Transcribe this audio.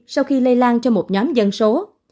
sau khi lây lan cho một nhóm dân số